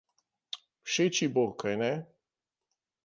Všeč ji bo, kajne?